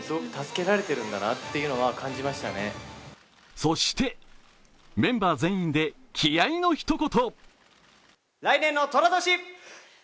そしてメンバー全員で気合いの一言。